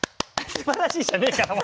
「すばらしい」じゃねえから！